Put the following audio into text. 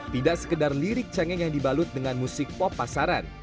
tidak sekedar lirik cengeng yang dibalut dengan musik pop pasaran